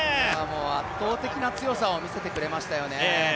圧倒的な強さを見せてくれましたよね。